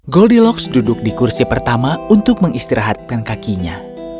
goldilocks duduk di kursi pertama untuk mengistirahatkan kakinya